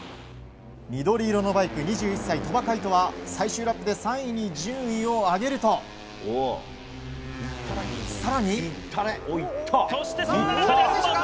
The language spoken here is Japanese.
緑色のバイク２１歳、鳥羽海渡は最終ラップで３位に順位を上げると、更に。